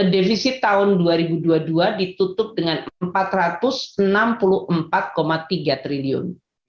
defisit tahun dua ribu dua puluh dua ditutup dengan rp empat ratus enam puluh empat tiga triliun